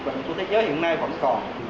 bệnh của thế giới hiện nay vẫn còn